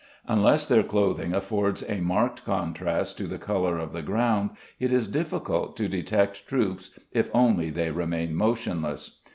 Unless their clothing affords a marked contrast to the colour of the ground it is difficult to detect troops if only they remain motionless.